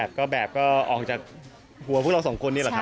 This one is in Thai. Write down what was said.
ก็แบบก็ออกจากหัวพวกเราสองคนนี่แหละครับ